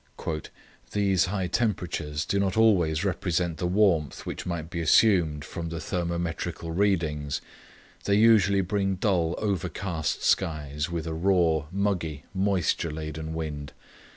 "These high temperatures do not always represent the warmth which might be assumed from the thermometrical readings. They usually bring dull, overcast skies, with a raw, muggy, moisture laden wind.